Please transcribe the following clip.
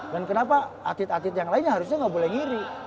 dan kenapa artis artis yang lainnya harusnya gak boleh ngiri